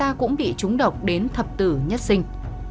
anh ta cũng bị chúng độc đến thập tử nhất sinh